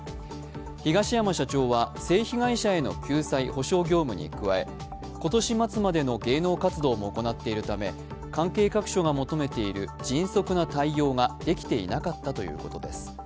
東山社長は性被害者への対応とともに芸能活動も行っているため、関係各所が求めている迅速な対応ができていなかったということです